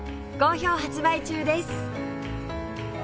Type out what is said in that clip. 好評発売中です